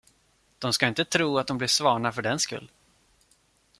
De ska inte tro, att de blir svanar fördenskull.